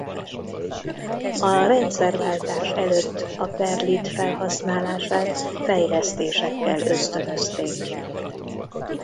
A rendszerváltás előtt a perlit felhasználását fejlesztésekkel ösztönözték.